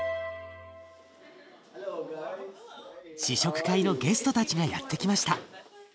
試食会のゲストたちがやって来ました。